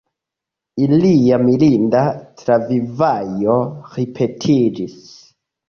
Ilia mirinda travivaĵo ripetiĝis.